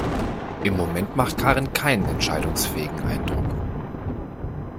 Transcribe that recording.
Im Moment macht Karin keinen entscheidungsfähigen Eindruck.